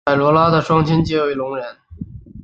凯萝拉的双亲皆为聋人。